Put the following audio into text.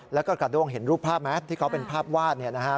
แล้วก็กระด้งเห็นรูปภาพไหมที่เขาเป็นภาพวาดเนี่ยนะฮะ